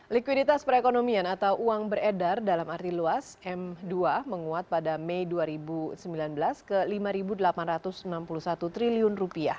likuiditas perekonomian atau uang beredar dalam arti luas m dua menguat pada mei dua ribu sembilan belas ke rp lima delapan ratus enam puluh satu triliun